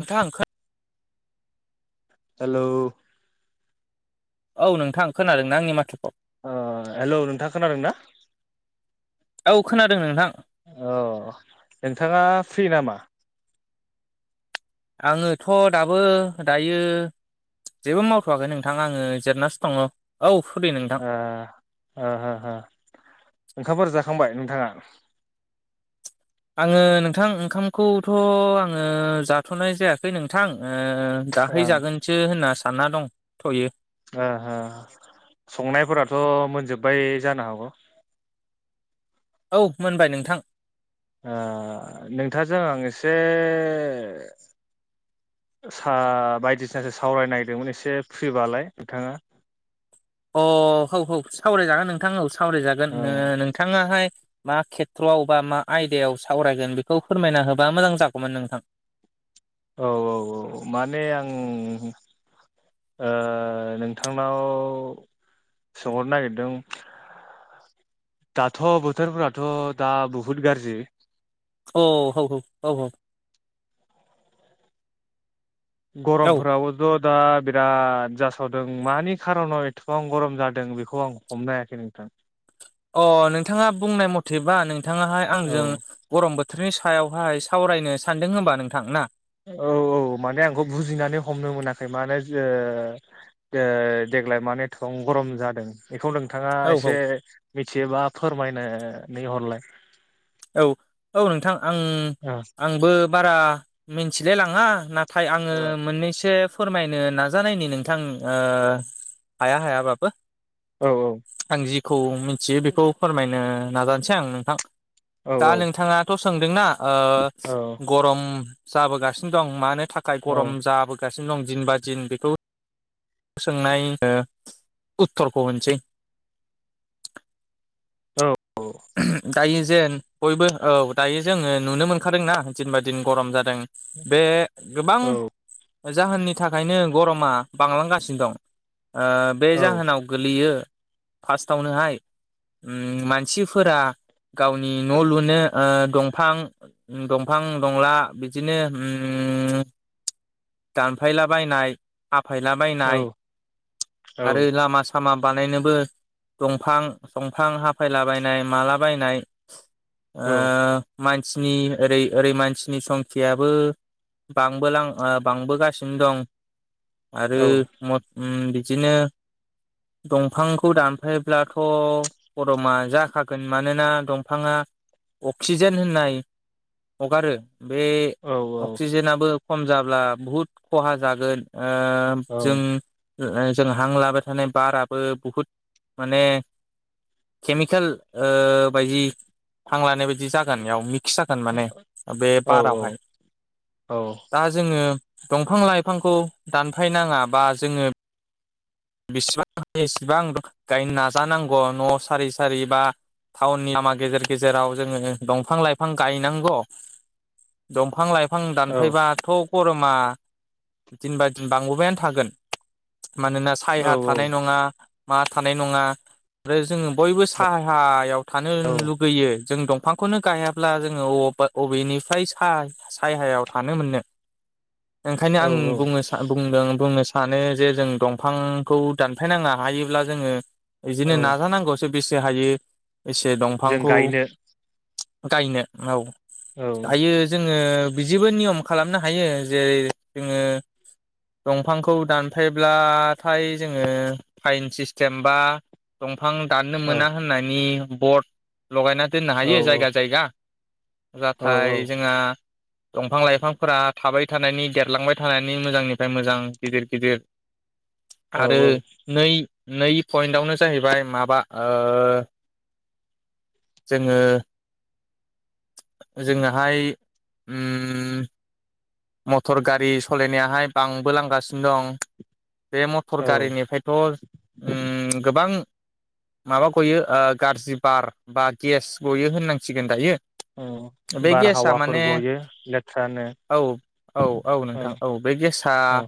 नोंथां खो हेल' औ नोंथां खोनादों ना आंनि माथोखौ अ हेल' नोंथां खोनादों ना औ खोनादों नोंथां औ नोंथाङा फ्रि नामा? आङोथ' दाबो दायो जेबो मावथ'वाखै नोंथाङा आङो जेरायनासो दङ औ सरि नोंथां ओ ओ हो ओंखामफोर जाखांबाय नोंथाङा? आङो नोंथां ओंखामखौथ' आङो जाथ'नाय जायाखै नोंथां ओ ओ दाहैजागोनसो होनना सानना दंथ'यो ओ हो संनायफोराथ' मोनजोब्बाय जानो हागौ औ मोनबाय नोंथां ओ नोंथांजों आं एसे सा बायदिसिनासो सावरायनोनागिरदोंमोन एसे फ्रिबालाय नोंथाङा? [inaudible] अ हौव हौव सावरायजागोन नोंथां औ सावरायजागोन ओ नोंथाङाहाय मा खेथ्र'आव बा मा आयदायाव सावरायगोन बेखौ फोरमायना होबा मोजां जागौमोन नोंथां औ औ औ माने आं ओ नोंथांनाव सोंहरनो नागिरदों दाथ' बोथोरफोराथ' दा बहुद गाज्रि अ औ औ औ औ गरमफोराबो थ' दा बिराद जासावदों मानि खार'नाव एथबां गरम जादों बेखौ आं हमनो हायाखै नोंथां [inaudible] अ नोंथाङा बुंनाय मथेबा नोंथाङाहाय औ आंजों गरम बोथोर बोथोरनि सायावहाय सावरायनो सानदों होबा नोंथां ना औ औ माने आंखौ बुजिनानै हमनो मोनाखै माने ओ ओ देग्लाय माने थ गरम जादों बेखौ नोंथाङा औ औ एसे मिथियोबा फोरमायनानै हरलाय औ औ नोंथां आं औ आंबो बारा मिथिलाय लाङा ना नाथाय आङो मोननैसो फोरमायनो नाजानायनि नोंथां हाया हायाबाबो औ औ खौ मिथियो बेखौ फोरमायनो नाजानोसै आं नोंथां औ दा नोंथाङाथ' सोंदोंना ओ औ गरम जाबोगासिनो दं मानो थाखाय औ गरम जाबो जाबोगासिनो दं दिन बा दिन बेखौ सोंनाय उत्तरखौ होनसै औ औ दायो जेन बयबो औ दायो जोङो नुनो मोनखादोंना दिन बा दिन गरम जादों बे - गोबां जाहोननि थाखायनो गरमा बांलांगासिनो दं ओ बे औ जाहोनाव गोलैयो फार्स्टावनोहाय मान उ मानसिफोरा गावनि न' लुनो ओ दंफां दंफां दंला बिदिनो दानफायला बायनाय हाफायला औ बायनाय आरो लामा सामा बानायनोबो दंफां-दंफां हाफायला बायनाय माला बायनाय ओ औ मा नि मानसिनि ओरै ओरै संखियाबो बांबोलां बांबोगासिनो दं आरो मत बिदिनो दंफांखौ दानफायब्लाथ' गरमा जाखागोन मानोना दंफाङा अक्सिजेन होननाय हगारो बे औ अक्सिजेनाबो खम जाब्ला बहुद खहा जागोन ओ जों जों हां लाबाय थानाय बाराबो बहुद माने केमिकेल ओ बायदि हां लानाय बायदि जागोनइयाव खि जागोन माने बे औ बारावहाय दा जोंङो दंफां लाइफांखौ दानफायनाङा बा जोंङो बेसिबां एसेबां गायनो नाजानांगौ न' सारि-सारि बा टाउननि लामा गेजेर गेजेराव जोंङो दंफां लाइफां गायनांग दं बिफां लाइफां दानफायबाथ' गरमा दिन बा दिन बांबोबायानो थागोन मानोना सायहा थानाय नङा मा थानाय नङा ओमफ्राय जोंङो बयबो साहायाव थानो औ लुगैयो जों दंफांखौनो गायाब्ला जोंङो अबबा अबेनिफ्राय सा-सायहायाव थानो मोनो [inaudible] ओंखायनो आं औ बुंङो-बुंदों-बुंनो सानो जे जों दं बिफांखौ दानफायनाङा हायोब्ला जोंङो बिदिनो औ नाजानांगौसो बेसे हायो एसे जों दंफांखौ गायनो गायनो औ औ दायो जोंङो बिदिबो नियम खालामनो हायो जेरै जोंङो दंफांखौ दानफायब्ला ओमफाय जोंङो फाइन सिस्टेम बा दंफां दाननो औ मोना होननायनि बर्ड लगायना दोननो हायो औ जायगा जायगा औ नाथाय जोंहा दंफां लाइफांफोरा थाबाय थानायनि देरलांबाय थानायनि मोजांनिफ्राय मोजां गिदिर-गिदिर औ आरो नै नै पइन्टावनो जाहैबाय माबा ओ जोंङो जोंङोहाय अम मटर गारि सलायनायाहाय बांबो लांगासिनो दं बे मटर औ गारिनिफ्रायथ अम गोबां माबा गयोओ गाज्रि बार बा गेस गयो होननांसिगोन दायो ओ बे गेसा बारहावाफोर माने गयो लेथ्रानो औ औ औ नोंथां औ बेे गेसा औ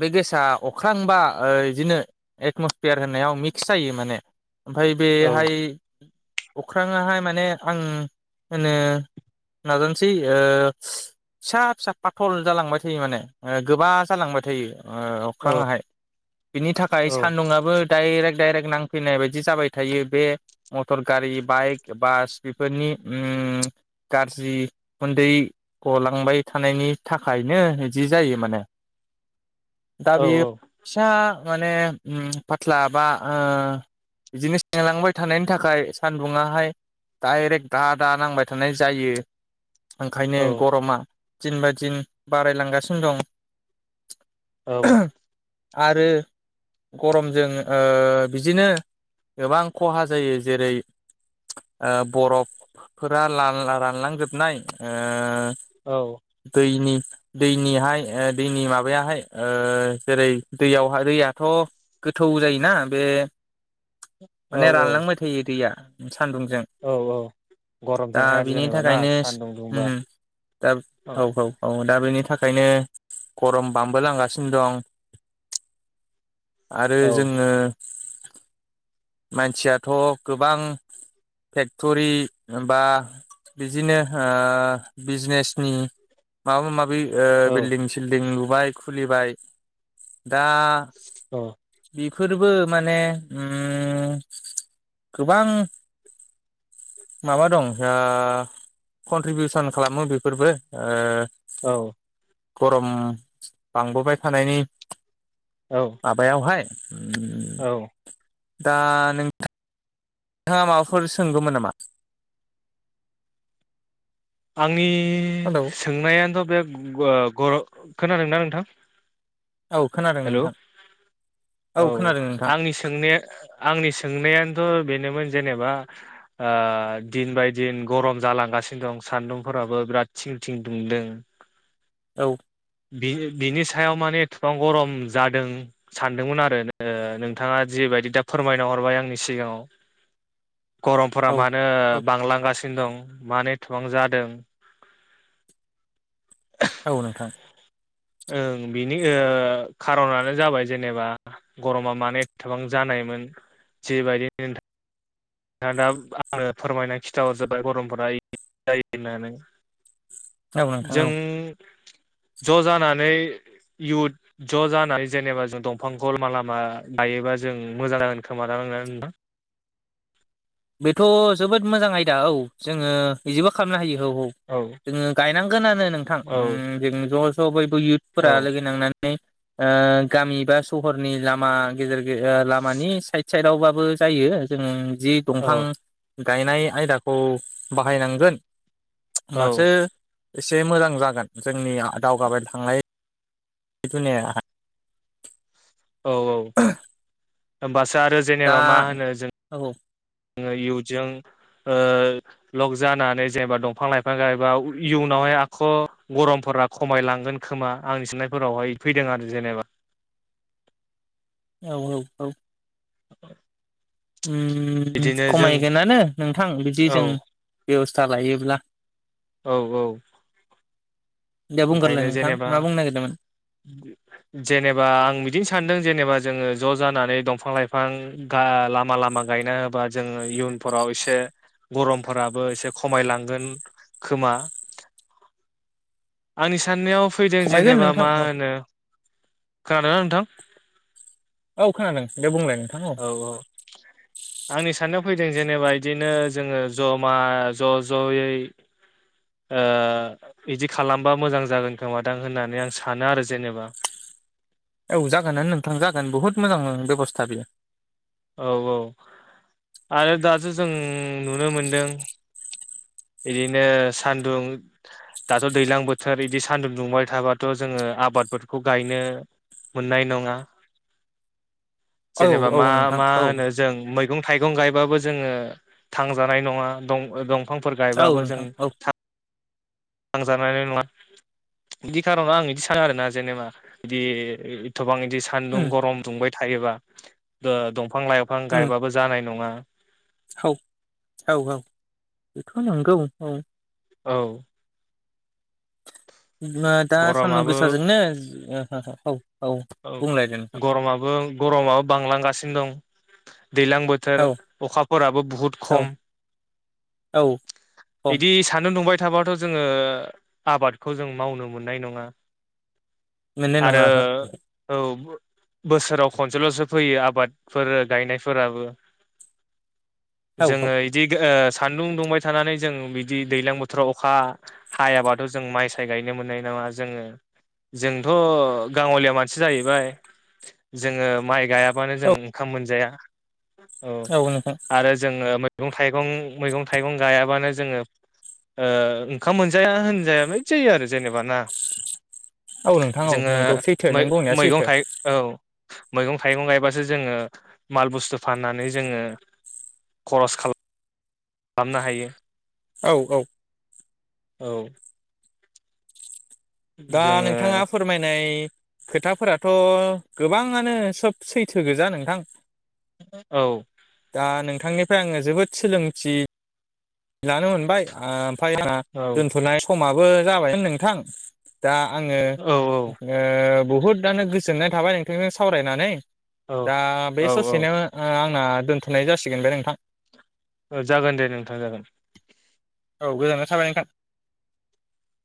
बे गेस आ अख्रां बा बिदिनो एटमसफेयार होननायाव मिक्स जायो माने ओमफाय औ बेहाय अख्रांङाहाय माने आं होनो नाजानोसै ओ फिसा फिसा पाथल जालांबाय थायो माने गोबा जालांबाय थायो। औ अख्रांङाहाय बिनि थाखाय औ सान्दुंङआबो डाइरेक्ट डाइरेक्ट नांफैनाय बायदि जाबाय थायो बे मटर गारि बाइक बास बेफोरनि अम गारज्रि उखुन्दै गलांबाय थानायनि थाखायनो बिदि जायो माने दा बियो औ औ फिसा माने उम फाथ्ला बा ओ बिदिनो सेंलांबाय थानायनि थाखाय सानदुङाहाय डाइरेक्ट दा दा नांबाय थानाय जायो ओंखायनो गरमा दिन बा दिन बारायलांगासिनो दं औ आरो गरमजोंओ बिदिनो गोबां खहा जायो जेरै ओ बरफफोरा राल--रानलांजोबनाय ओ औ दै दैनिहायओ दैनि माबायाहायओ जेरै दैयावहाय दैयाथ गोथौ जायोना बे माने औ रानलांबाय थायो दैया सान्दुंजों औ औ दा गरमजोंहाय आरो जेनेबा ना सानदुं दुंबा दाब औ औ--औ दा बेनि थाखायनो गरम बामबो लांगासिनो दं आरो औ जोङो [inaudible] मानसियाथ गोबां फेक्टरि बा बिदिनोओ बिजनेसनि माबा माबिओ औ बिल्डिं-सिल्डिं लुबाय खुलिबाय दा औ बि फोरबो मानेउम गोबां माबा दंओ कन्ट्रिबिउसन खालामो बेफोरबो ओ औ गरम बांबोबाय थानायनि औ माबायावहाय औ दा नों नोंथाङा माबाफोर सोंगौमोन नामा आंनि हेलौ सोंनायानोथ' बे ग' खोनादोंना नोंथां औ खोनादों हेलौ नोंथां औ खोनादों नोंथां आंनि सोंनाया आंनि सोंनायानोथ' बेनोमोन जेनेबा ओ दिन बाय दिन गरम जालांगासिनो दं सान्दुंफोराबो बिराद थं थिं दुमदों औ बि बिनि सायाव माने एथबां गरम जादों सानदोंमोन आरो नोंथाङा जेबायदि दा फोरमायना हरबाय आंनि सिगाङाव गरमफोरा औ मानो औ बांलांगासिनो दं मानो एथबां जादों औ नोंथां ओं बिनि ओ खारनानो जाबाय जेनेबा गरमा मानो एथबां जानाय मोन जेबायदि नोंथां दा आंनो फोरमायनानै खिन्थाहरजोबबाय गरमफोरा जायो होननानै औ नोंथां जों औ ज' जानानै इयुथ ज' जानानै जेनेबा जों दंफां लामा लामा गायोबा जों मोजां जागोन खोमा जागोन [unintelligible] बेथ' जोबोद मोजां आयदा औ जोङो बिदिबो खालामनो हायो औ औ जोङो गायनांगोनानो नोंथां औ जों ओम ज' ज' बयबो इयुथफोरा औ लोगो नांनानै ओ गामि बा सहरनि लामा गेजेर गेजे लामानि साइद साइदावबाबो जायो जोङो औ दंफां गायनाय आयदाखौ बाहायनांगोन औ होमबासो एसे मोजां जागोन जोंनि दावगाबाय थांनाय [unintelligible] औ औ होनबासो आरो दा जेनेबा मा होनो जों औ इउनजों लक जानानै जेनेबा दंफां लाइफां गायोबा इयुनावहाय आख' गरमफोर रा खमायलांगोन खोमा आंनि साननायफोरावहाय फैदों आरो जेनेबा औ औ औ [inaudible] ओम बिदिनो जों खमायगोनानो नोंथां बिदि औ जों बेबस्था लायोब्ला औ औ दे बुंगोरलाय ओखायनो नोंथां जेनेबा मा बुंनो नागिरदोंमोन जेनेबा आं बिदिनो सानदों जेनेबा जोंङो ज' जानानै दंफां लाइफां गा लामा लामा गायना होबा जोंङो इयुनफोराव एसे गरमफोराबो एसे खमायलांगोन खोमा आंनि साननायाव फैदों खमायगोन जेनेबा नोंथां मा औ होनो [unintelligible] नोंथां औ खोनादों दे बुंलाय औ औ आंनि साननायाव फैदों जेनेबा बिदिनो जोंङो ज'मा ज' ज'यै ओ बिदि खालामबा मोजां जागोन खोमादां होननानै आं सानो आरो जेनेबा [unintelligible] औ जागोन नोंथां जागोन बहुद मोजां बेबस्था बियो औ औ आरो दासो जों नुनो मोनदों बिदिनो सान्दुं दाथ दैज्लां बोथोर बिदि सान्दुं दुंबाय थाबाथ जोंङो आबादफोरखौ गायनो मोननाय नंङा औ जेनेबा औ मा नोंथां मा औ होनो जों मै मैगं थाइगं गायबाबो जोंङो थांजानाय नंङा दं दंफां फोर औ गायबाबो नोंथां जों औ थांजानाय नंङा बिदि खारआव आं इदि साना आरोना आं जेनबा इदि एथबां इदि सानदुं उम गरम दुंबाय थायोबा दंफां लाइफां उम गायबाबो जानाय नंङा औ औ औ बेथ'नंगौ औ औ होमबा दा सानदुं गरमाबो गोसाजोंनो औ औ बुंलायदो नोंथां गरमाबो गरमाबो बांलांगासिनो दं दैज्लां बोथोर औ अखाफोराबो बहुत औ खम औ खम बिदि सानदुं दुंबाय थाबाथ जोंङो आबादखौ जों मावनो मोननाय नंङा मोननाय ननङा ओहो ओहो औ बोसोराव खनसेलसो फैयो आबादफोर गायनायफोराबो ओहो जोंङो इदि ओ सान्दुं दुंबाय थानानै जों बिदि दैज्लां बोथोराव अखा हायाबाथ जों माइ साय गायनो मोननाय नङा जेनेबा जोंङो जोंथ गाङलिया मानसि मनसि जाहैबाय जोंङो माइ गायाबानो औ जों ओंखाम मोनजाया औ आरो जोंङो मैगं थाइगं मैगं थाइगं गायाबानो जोङो ओ ओंखाम मोनजाया होनजायाबाबो जायो आरोना औ नोंथां औ नोंखौ सैथो मै नों बुंनाया मैगं सैथो थाइगं औ मैगं थाइगं गायबासो जोंङो माल बुस्थु फाननानै जोंङो खरस खालामनो हायो औ औ औ दा जोङो नोंथाङा फोरमायनाय खोथाफोराथ गोबांङानो सब सैथो गोजा नोंथां औ आं नोंथांनिफ्राय आङो जोबोद सोलोंथि लानो मोनबाय आ फाय आंहा औ दोनथ'नाय समाबो जाबायानो नोंथां दा आङो ओ बहुदआनो गोजोननाय थाबाय नोंथांजों सावरायनानै औ दा औ बे ससेनो ओ आंना दोन्थ'नाय जासिगोन दे नोंथां। ओ जागोन दे नोंथां जागोन। औ गोजाननाय थाबाय नोंथां।